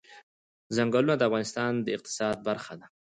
چنګلونه د افغانستان د اقتصاد برخه ده.